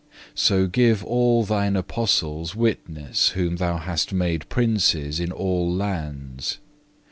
So give all Thine apostles witness whom Thou hast made princes in all lands.